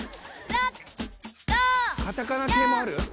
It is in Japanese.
カタカナ系もある？